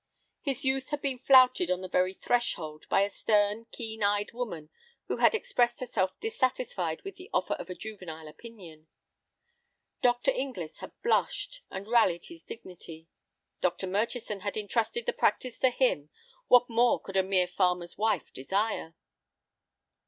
His youth had been flouted on the very threshold by a stern, keen eyed woman who had expressed herself dissatisfied with the offer of a juvenile opinion. Dr. Inglis had blushed, and rallied his dignity. Dr. Murchison had intrusted the practice to him; what more could a mere farmer's wife desire?